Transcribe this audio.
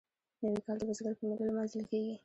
نوی کال د بزګر په میله لمانځل کیږي.